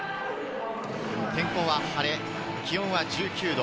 天候は晴れ、気温は１９度。